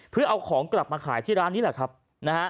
เพื่อเอาของกลับมาขายที่ร้านนี้แหละครับนะฮะ